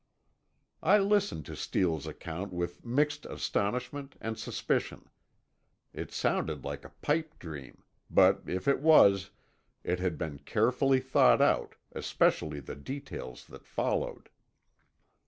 I listened to Steele's account with mixed astonishment and suspicion. It sounded like a pipe dream; but if it was, it had been carefully thought out, especially the details that followed.